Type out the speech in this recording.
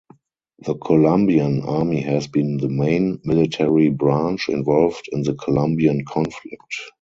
The Colombian Army has been the main military branch involved in the Colombian conflict.